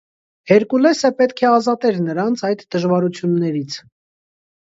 Հերկուլեսը պետք է ազատեր նրանց այդ դժվարություններից։